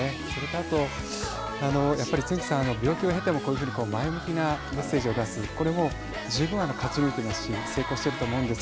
あと、つんく♂さん病気を経てもこういう前向きなメッセージを出すこれも十分勝ち抜くことに成功していると思うし。